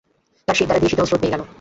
তাঁর শিরদাঁড়া দিয়ে শীতল স্রোত বয়ে গেল।